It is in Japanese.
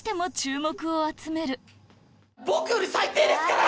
僕より最低ですから！